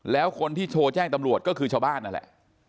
แล้วคนที่โทรแจ้งตำรวจก็คือชาวบ้านนั่นแหละ